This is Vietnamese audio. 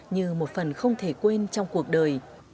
như một phần không thể quên trong cuộc đời